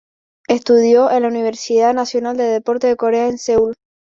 Estudió en la Universidad Nacional del Deporte de Corea en Seúl.